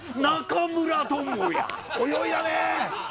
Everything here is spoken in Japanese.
泳いだね！